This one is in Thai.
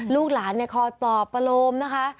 ลูกหลานคลอดปรปประโลมนะคะ